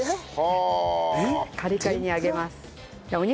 カリカリに揚げます。